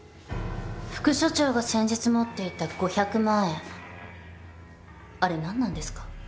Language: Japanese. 副署長が先日持っていた５００万円あれ何なんですか？